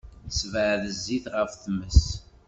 Ssebɛed zzit ɣef tmes.